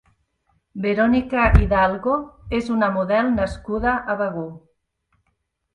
Verónica Hidalgo és una model nascuda a Begur.